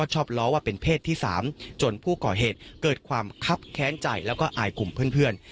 จนผู้ก่อเหตุเกิดความคับแค้นใจและอายกลุ่มเพื่อน